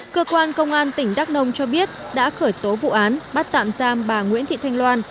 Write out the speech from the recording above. cơ quan công an tỉnh đắk nông cho biết đã khởi tố vụ án bắt tạm giam bà nguyễn thị thanh loan